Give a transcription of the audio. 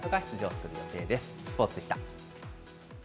スポーツでした。